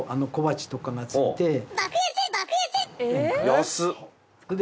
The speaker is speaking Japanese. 安っ。